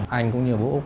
ở anh cũng như ở bộ úc